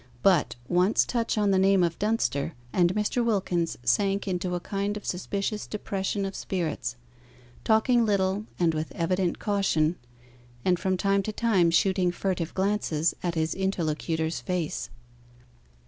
But once touch on the name of Dunster and Mr. Wilkins sank into a kind of suspicious depression of spirits; talking little, and with evident caution; and from time to time shooting furtive glances at his interlocutor's face.